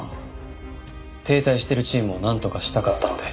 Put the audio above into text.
停滞してるチームをなんとかしたかったので。